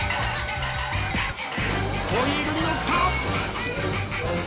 ホイールに乗った。